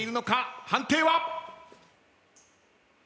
判定は？